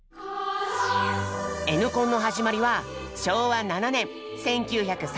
「Ｎコン」の始まりは昭和７年１９３２年。